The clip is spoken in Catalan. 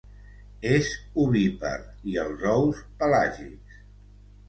És ovípar i els ous pelàgics.